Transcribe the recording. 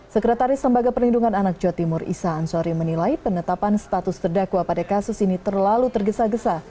sekretaris lembaga perlindungan anak jawa timur isa ansori menilai penetapan status terdakwa pada kasus ini terlalu tergesa gesa